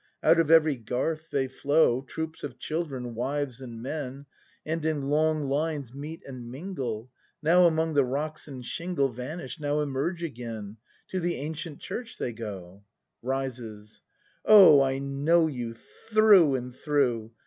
Out of every garth they flow. Troops of children, wives and men. And in long lines meet and mingle, Now among the rocks and shingle Vanish, now emerge again; — To the ancient Church they go. [Rises.] Oh, I know you, through and through!